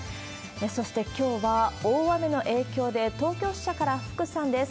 そして、きょうは大雨の影響で、東京支社から福さんです。